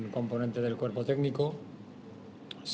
komponen dari kesehatan teknis